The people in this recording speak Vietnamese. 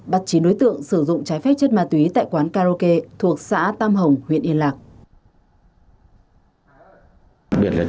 bắt chín đối tượng sử dụng trái phép chất ma túy tại quán karaoke thuộc xã tam hồng huyện yên lạc